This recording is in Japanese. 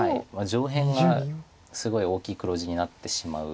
上辺がすごい大きい黒地になってしまう。